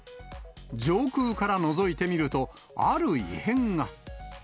上空からのぞいてみると、ある異変が。